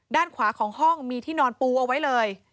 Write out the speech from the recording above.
ด้านขวาของห้องมีที่นอนปูเอาไว้เลย